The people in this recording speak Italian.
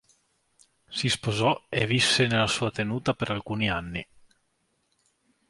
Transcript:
Si sposò e visse nella sua tenuta per alcuni anni.